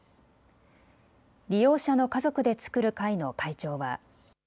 利用者の家族で作る会の会長は。